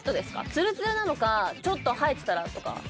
ツルツルなのかちょっと生えてたらとか。